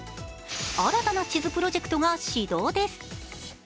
新たな地図プロジェクトが始動です。